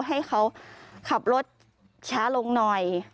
ให้เขาขับรถช้าลงหน่อย